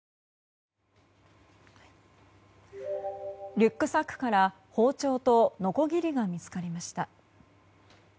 リュックサックから包丁とのこぎりが見つかりました。